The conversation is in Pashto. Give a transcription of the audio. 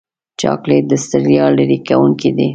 چاکلېټ د ستړیا لرې کوونکی دی.